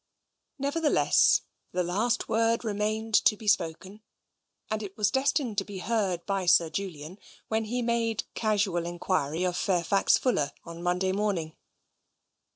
XX Nevertheless the last word remained to be spoken, and it was destined to be heard by Sir Julian when he made casual enquiry of Fairfax Fuller on Monday morning.